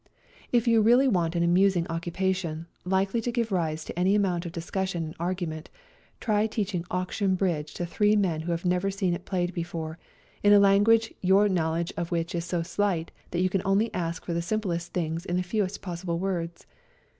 If you really want an amusing occupation, likely to give rise to any amount of discussion and argument, try teaching auction bridge to three men who have never seen it played before, in a language your knowledge of which is so slight that you can only ask for the simplest things in the fewest possible words.